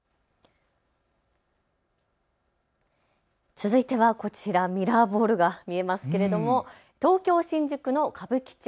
続いてはこちら、ミラーボールが見えますけれども東京新宿の歌舞伎町。